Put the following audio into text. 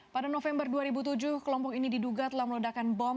pada november dua ribu tujuh kelompok ini diduga telah meledakan bom